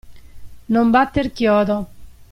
Non batter chiodo.